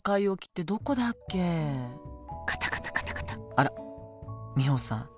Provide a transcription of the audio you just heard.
あらミホさん